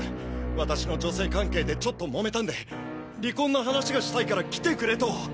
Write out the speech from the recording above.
私の女性関係でちょっともめたんで離婚の話がしたいから来てくれと。